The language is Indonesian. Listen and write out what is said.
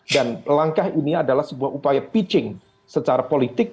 dan langkah ini adalah sebuah upaya pitching secara politik